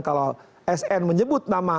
kalau sn menyebut nama